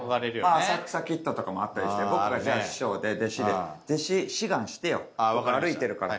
『浅草キッド』とかもあったりして僕が師匠で弟子で弟子志願してよ歩いてるから。